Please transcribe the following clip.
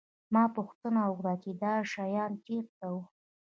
ما پوښتنه وکړه چې دا شیان چېرته وو